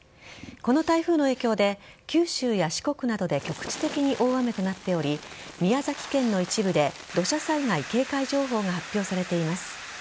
この台風の影響で九州や四国などで局地的に大雨となっており宮崎県の一部で土砂災害警戒情報が発表されています。